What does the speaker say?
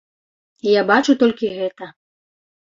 Я бачу толькі гэта.